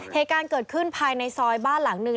เหตุการณ์เกิดขึ้นภายในซอยบ้านหลังหนึ่ง